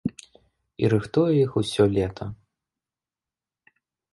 І рыхтуе іх усё лета.